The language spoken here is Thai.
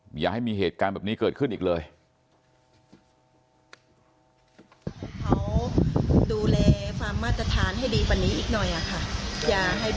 อย่าให้มีเหตุการณ์แบบนี้เกิดขึ้นอีกเลย